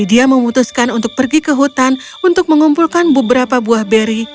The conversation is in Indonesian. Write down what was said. dia memutuskan untuk pergi ke hutan untuk mengumpulkan beberapa buah beri